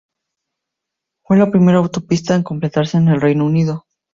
Fue la primera autopista en completarse en el Reino Unido.